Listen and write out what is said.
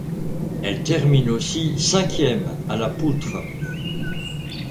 Elle termine aussi cinquième à la poutre.